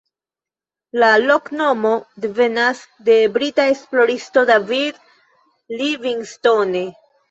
La loknomo devenas de brita esploristo David Livingstone.